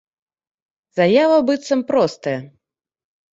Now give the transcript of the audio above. Заява быццам бы простая.